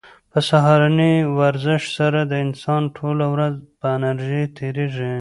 په سهارني ورزش سره د انسان ټوله ورځ په انرژۍ تېریږي.